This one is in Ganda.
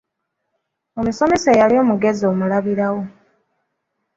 Omusomesa eyali omugezi omulabirawo.